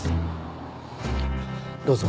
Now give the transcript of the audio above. どうぞ。